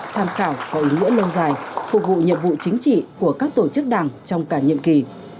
tham khảo có ý nghĩa lâu dài phục vụ nhiệm vụ chính trị của các tổ chức đảng trong cả nhiệm kỳ